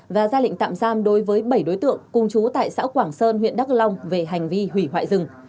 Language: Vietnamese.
và ra lệnh tạm giam đối với bảy đối tượng cùng chú tại xã quảng sơn huyện đắk long về hành vi hủy hoại rừng